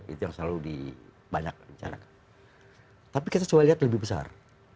itu yang selalu dibanyakkan tapi kita coba lihat lebih besar